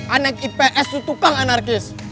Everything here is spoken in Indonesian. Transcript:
anek ips itu tukang anarkis